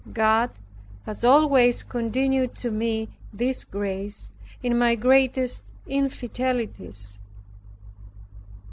God has always continued to me this grace, in my greatest infidelities.